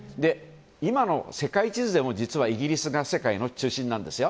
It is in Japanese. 今の世界地図でも実はイギリスが世界の中心なんですよ。